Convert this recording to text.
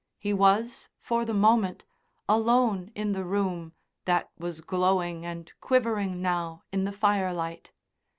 He was, for the moment, alone in the room that was glowing and quivering now in the firelight.